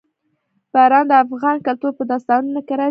باران د افغان کلتور په داستانونو کې راځي.